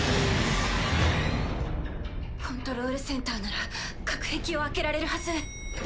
コントロールセンターなら隔壁を開けられるはず。